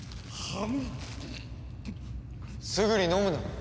すぐに飲むな。